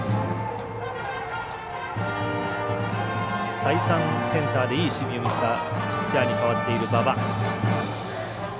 再三センターでいい守備を見せたピッチャーに代わっている馬場。